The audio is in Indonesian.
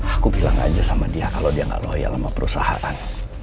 aku bilang aja sama dia kalau dia gak loyal sama perusahaan